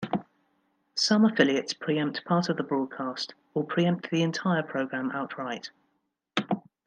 Some affiliates preempt part of the broadcast or preempt the entire program outright.